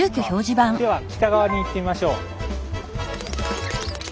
では北側に行ってみましょう。